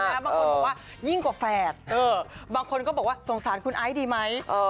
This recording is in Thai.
บางคนบอกว่ายิ่งกว่าแฝดบางคนก็บอกว่าสงสารคุณไอซ์ดีไหม